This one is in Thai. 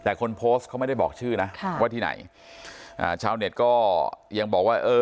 แต่คนโพสต์เขาไม่ได้บอกชื่อนะค่ะว่าที่ไหนอ่าชาวเน็ตก็ยังบอกว่าเออ